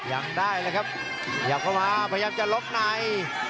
ยังได้เลยครับขยับเข้ามาพยายามจะล็อกใน